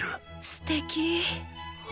すてき。